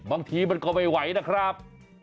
บางทีมันก็ไม่ไหวนะครับ